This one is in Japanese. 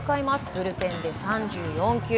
ブルペンで３４球。